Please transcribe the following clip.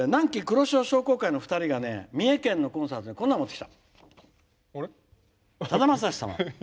くぼじょうじ、２人が三重県のコンサートにこんなのもってきた。